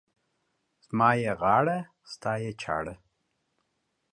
زما يې غاړه، ستا يې چاړه.